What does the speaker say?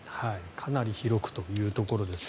かなり広くというところです。